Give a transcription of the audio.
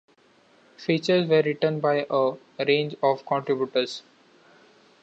Features were written by a range of contributors.